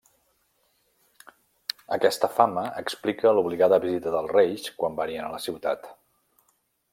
Aquesta fama explica l'obligada visita dels reis quan venien a la ciutat.